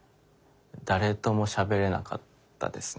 誰ともしゃべれなかったですね。